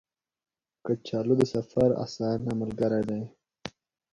کچالو د سفر اسانه ملګری دی